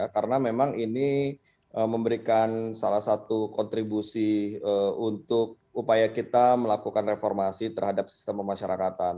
karena memang ini memberikan salah satu kontribusi untuk upaya kita melakukan reformasi terhadap sistem pemasyarakatan